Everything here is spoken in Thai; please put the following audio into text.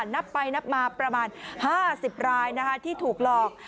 นับไปนับมาประมาณ๕๐รายที่ถูกหลอก